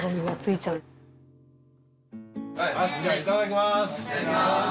いただきます！